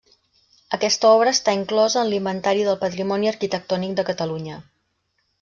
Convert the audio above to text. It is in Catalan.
Aquesta obra està inclosa en l'Inventari del Patrimoni Arquitectònic de Catalunya.